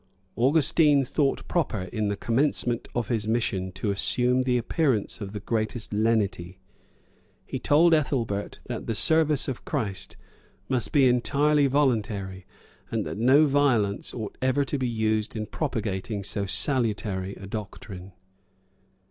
Augustine thought proper, in the commencement of his mission, to assume the appearance of the greatest lenity; he told Ethelbert, that the service of Christ must be entirely voluntary, and that no violence ought ever to be used in propagating so salutary a doctrine.